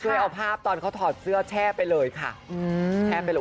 ช่วยเอาภาพตอนเขาถอดเสื้อแช่ไปเลยค่ะ